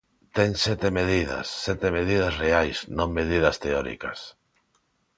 Ten sete medidas, sete medidas reais, non medidas teóricas.